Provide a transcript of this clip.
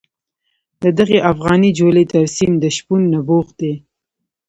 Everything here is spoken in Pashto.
د دغې افغاني جولې ترسیم د شپون نبوغ دی.